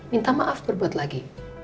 minta maaf berbuat lagi